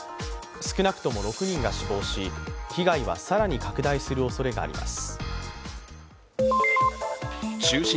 少なくとも６人が死亡し被害は更に拡大するおそれがあります。